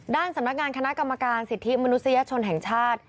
ด้านสำนักงานคณะกรรมการสิทธิมนุษยชนแห่งชาติ